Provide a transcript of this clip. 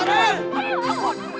jangan lupa gue jalan